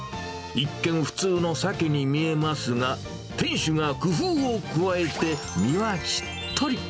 一見、普通のサケに見えますが、店主が工夫を加えて、身はしっとり。